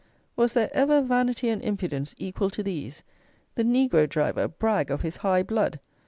Was there ever vanity and impudence equal to these! the negro driver brag of his high blood!